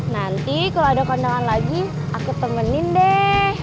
nanti kalau ada kondangan lagi aku temenin deh